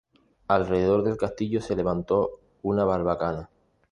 Alrededor del castillo se levantó una barbacana.